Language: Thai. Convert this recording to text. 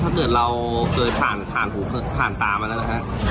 ถ้าเกิดเราเคยผ่านผ่านหูผ่านตามาแล้วนะฮะ